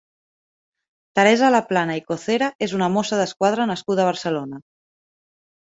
Teresa Laplana i Cocera és una mossa d'esquadra nascuda a Barcelona.